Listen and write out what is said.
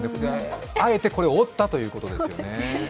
あえてこれを折ったということですね。